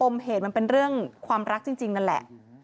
เหตุมันเป็นเรื่องความรักจริงนั่นแหละ